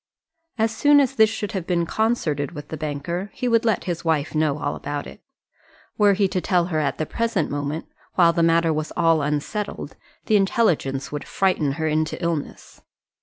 As soon as this should have been concerted with the banker, he would let his wife know all about it. Were he to tell her at the present moment, while the matter was all unsettled, the intelligence would frighten her into illness.